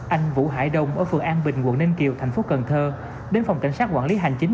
anh vũ hải đông ở phường an bình quận ninh kiều tp cn đến phòng cảnh sát quản lý hành chính